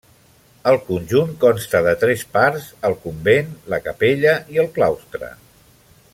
El conjunt consta de tres parts: el convent, la capella i el claustre.